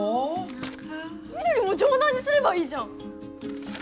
翠も城南にすればいいじゃん。